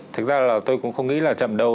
thực ra là tôi cũng không nghĩ là chậm đâu